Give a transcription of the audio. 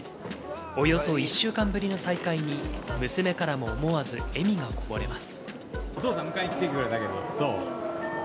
およそ１週間ぶりの再会に、娘からも思わず笑みがこぼれます。